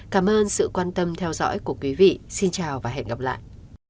cảm ơn sự quan tâm theo dõi của quý vị xin chào và hẹn gặp lại